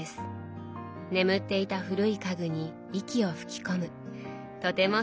眠っていた古い家具に息を吹き込むとてもすてきなアイデアですね。